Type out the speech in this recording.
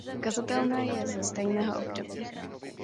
Kazatelna je ze stejného období.